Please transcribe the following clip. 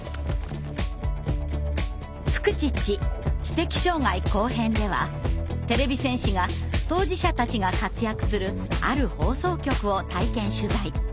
「フクチッチ知的障害後編」ではてれび戦士が当事者たちが活躍するある放送局を体験取材。